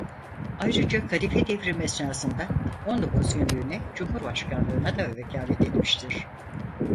Ayrıca Kadife Devrim esnasında on dokuz günlüğüne cumhurbaşkanlığına da vekâlet etmiştir.